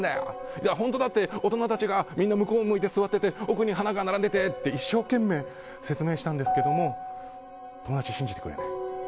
いや本当だって、大人たちがみんな向こう向いて座ってて奥に花が並んでてって一生懸命説明したんだけど友達は信じてくれない。